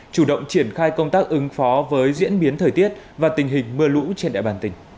chủ động triển khai công tác ứng phó với diễn biến thời tiết và tình hình mưa lũ trên đại bộ